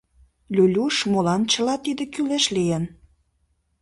— Люлюш, молан чыла тиде кӱлеш лийын?